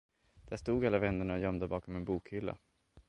Där stod alla vännerna gömda bakom en bokhylla.